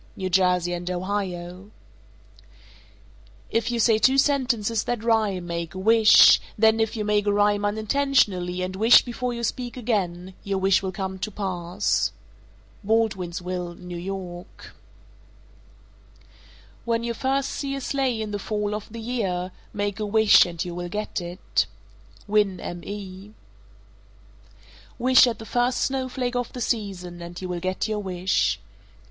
New Jersey and Ohio. 454. If you say two sentences that rhyme, make a wish, then if you make a rhyme unintentionally and wish before you speak again, your wish will come to pass. Baldwinsville, N.Y. 455. When you first see a sleigh in the fall of the year, make a wish, and you will get it. Winn, Me. 456. Wish at the first snowflake of the season, and you will get your wish.